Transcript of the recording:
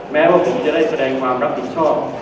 แม้ว่าผมจะได้แสดงความรับผิดชอบ